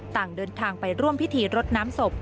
ต่างเดินทางไปร่วมพิธีรดน้ำศพ